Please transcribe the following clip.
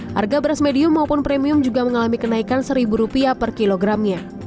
harga beras medium maupun premium juga mengalami kenaikan seribu rupiah per kilogram